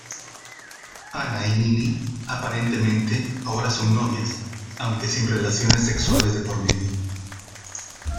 Ana y Nini aparentemente ahora son novias, aunque sin relaciones sexuales de por medio.